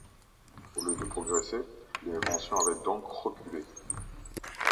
Au lieu de progresser, l’invention avait donc reculé.